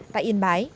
tại yên bái